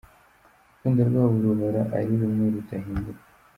Urukundo rwabo ruhora ari rumwe rudahinduka.